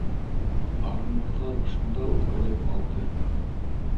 Арынбаҫаров шунда уҡ элеп алды: